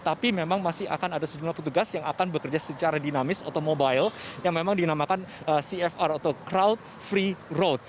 tapi memang masih akan ada sejumlah petugas yang akan bekerja secara dinamis atau mobile yang memang dinamakan cfr atau crowd free road